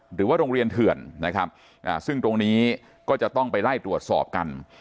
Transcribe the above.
หรือว่าโรงเรียนเถื่อนนะครับซึ่งตรงนี้ก็จะต้องไปไล่ตรวจสอบกัน